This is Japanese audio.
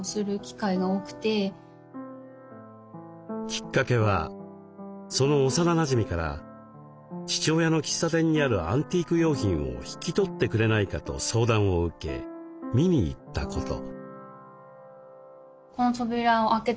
きっかけはその幼なじみから父親の喫茶店にあるアンティーク用品を引き取ってくれないかと相談を受け見に行ったこと。